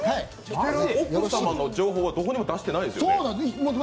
奥様の情報はどこにも出してないですよね？